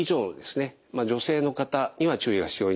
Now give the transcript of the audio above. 女性の方には注意が必要になります。